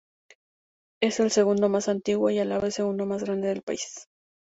Es el segundo más antiguo y a la vez segundo más grande del país.